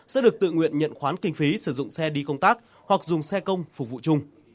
sẽ được tự nguyện nhận khoán kinh phí sử dụng xe đi công tác hoặc dùng xe công phục vụ chung